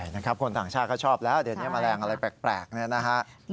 ใช่คนถังชาติเขาชอบแล้วเดี๋ยวนี้แมลงอะไรแปลกนะครับ